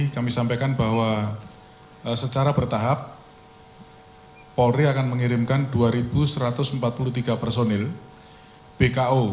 kami sampaikan bahwa secara bertahap polri akan mengirimkan dua satu ratus empat puluh tiga personil bko